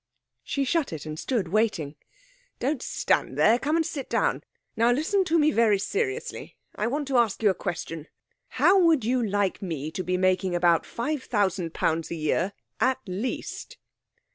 She shut it, and stood waiting. 'Don't stand there. Come and sit down.... Now listen to me very seriously. I want to ask you a question.' 'How would you like me to be making about £5,000 a year at least?'